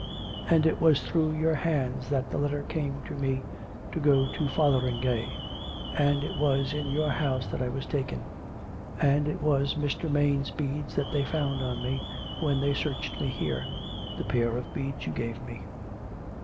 And it was through your hands that the letter came to me to go to Fotheringay. And it was in your house that I was taken. ... And it was Mr. Maine's beads that they found on me when they searched me here — the pair of beads you gave me."